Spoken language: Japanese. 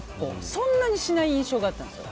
そんなにしない印象があったんですよ。